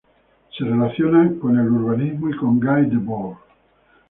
Se relaciona con el urbanismo y con Guy Debord.